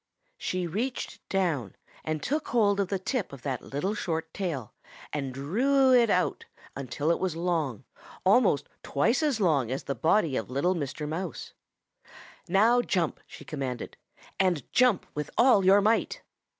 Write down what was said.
"She reached down and took hold of the tip of that little short tail and drew it out until it was long, almost twice as long as the body of little Mr. Mouse. 'Now jump,' she commanded, 'and jump with all your might.'